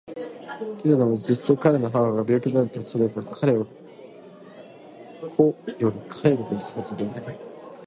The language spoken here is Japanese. けれども実際彼の母が病気であるとすれば彼は固より帰るべきはずであった。